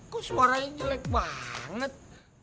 kok suaranya jelek banget